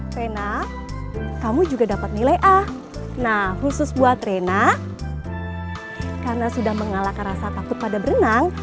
vena kamu juga dapat nilai ah nah khusus buat reina karena sudah mengalahkan rasa takut pada berenang